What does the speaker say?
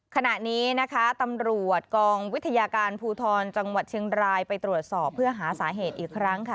ขณะนี้นะคะตำรวจกองวิทยาการภูทรจังหวัดเชียงรายไปตรวจสอบเพื่อหาสาเหตุอีกครั้งค่ะ